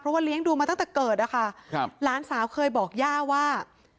เพราะว่าเลี้ยงดูมาตั้งแต่เกิดอะค่ะครับหลานสาวเคยบอกย่าว่า